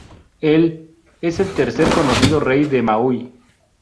Él es el tercer conocido rey de Maui.